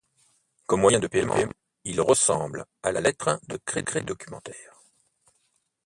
Comme moyen de paiement, il ressemble à la lettre de crédit documentaire.